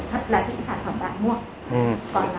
thật là những sản phẩm bạn mua